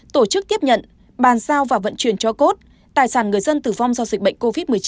tổ chức tiếp nhận bàn giao và vận chuyển cho cốt tài sản người dân tử vong do dịch bệnh covid một mươi chín